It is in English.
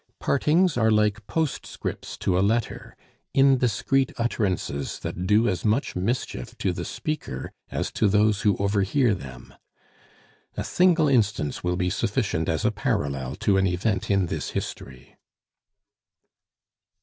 Partings are like postscripts to a letter indiscreet utterances that do as much mischief to the speaker as to those who overhear them. A single instance will be sufficient as a parallel to an event in this history.